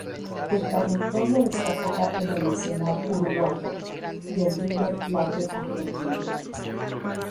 De trayectoria destacada en el Nacional uruguayo y el River Plate argentino.